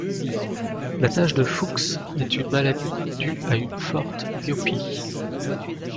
La tache de Fuchs est une maladie dû à une forte myopie.